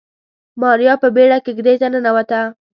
ماريا په بيړه کېږدۍ ته ننوته.